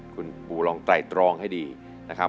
คุณปูลองไตรตรองให้ดีนะครับ